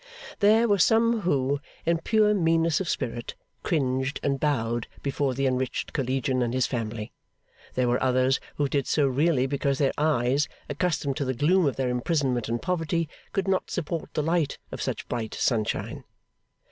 There, were some who, in pure meanness of spirit, cringed and bowed before the enriched Collegian and his family; there, were others who did so really because their eyes, accustomed to the gloom of their imprisonment and poverty, could not support the light of such bright sunshine.